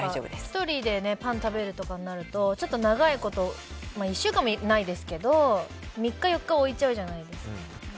１人でパンを食べるとかなると長いこと１週間もないですが３日、４日は置いちゃうじゃないですか。